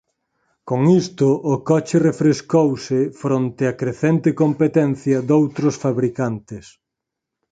Con isto o coche refrescouse fronte á crecente competencia doutros fabricantes.